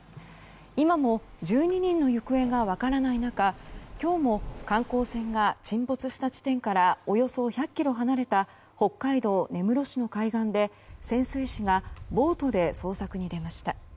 今も１２人の行方が分からない中今日も観光船が沈没した地点からおよそ１００ｋｍ離れた北海道根室市の海岸で潜水士がボートで捜索に出ました。